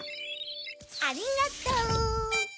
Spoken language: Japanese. ありがとう。